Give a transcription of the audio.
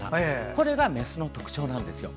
これがメスの特徴なんですよ。